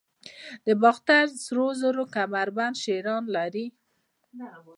د باختر سرو زرو کمربند شیران لري